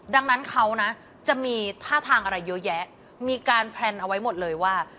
ดังนั้นเขานะจะมีท่าทางอะไรเยอะแยะมีการแพลนเอาไว้หมดเลยว่า